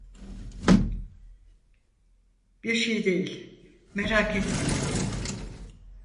Bir şey değil, merak etmeyin…